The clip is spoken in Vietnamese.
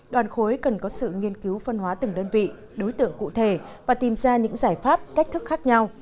đoàn khối cần có sự nghiên cứu phân hóa từng đơn vị đối tượng cụ thể và tìm ra những giải pháp cách thức khác nhau